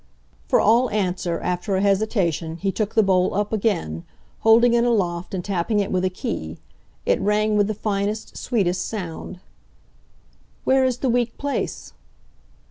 For all answer, after an hesitation, he took the bowl up again, holding it aloft and tapping it with a key. It rang with the finest, sweetest sound. "Where is the weak place?"